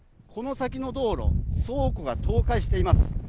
この先の道路倉庫が倒壊しています。